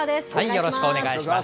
よろしくお願いします。